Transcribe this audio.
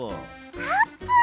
あーぷん！